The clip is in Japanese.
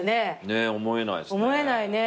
ねえ思えないですね。